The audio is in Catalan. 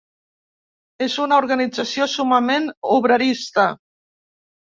És una organització summament obrerista.